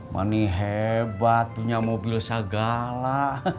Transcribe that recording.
mani hebat punya mobil segala